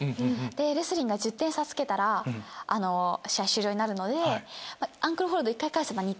レスリングは１０点差つけたら試合終了になるのでまぁアンクルホールド１回返せば２点。